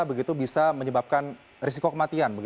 begitu bisa menyebabkan risiko kematian